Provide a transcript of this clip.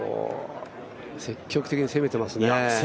積極的に攻めてますね。